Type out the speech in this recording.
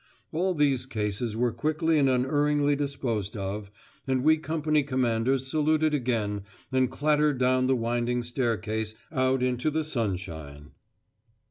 All these cases were quickly and unerringly disposed of, and we company commanders saluted again and clattered down the winding staircase out into the sunshine.